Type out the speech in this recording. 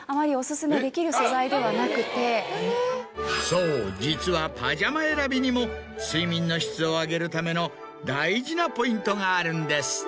そう実はパジャマ選びにも睡眠の質を上げるための大事なポイントがあるんです。